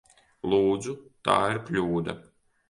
Lūdzu! Tā ir kļūda!